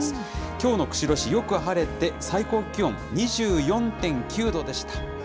きょうの釧路市、よく晴れて、最高気温２４．９度でした。